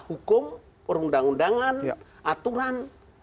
hukum perundang undangan aturan